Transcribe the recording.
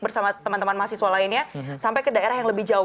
bersama teman teman mahasiswa lainnya sampai ke daerah yang lebih jauh